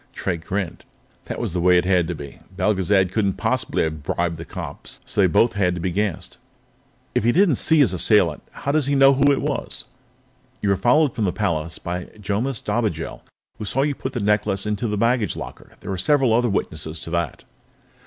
Drake grinned. That was the way it had to be. Belgezad couldn't possibly have bribed the cop, so they both had to be gassed. "If he didn't see his assailant, how does he know who it was?" "You were followed from the palace by Jomis Dobigel, who saw you put the necklace into the baggage locker. There are several other witnesses to that."